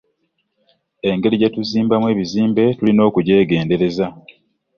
Engeri gye tuzimbamu ebizimbe tulina okugyegendereza.